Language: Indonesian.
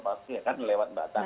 pasti akan lewat batang